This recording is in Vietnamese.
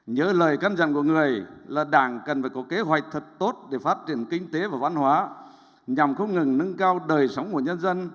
nhớ lời căn dặn của người là đảng cần phải có kế hoạch thật tốt để phát triển kinh tế và văn hóa nhằm không ngừng nâng cao đời sống của nhân dân